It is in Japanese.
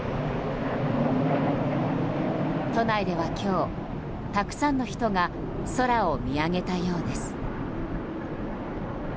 都内では今日、たくさんの人が空を見上げたようです。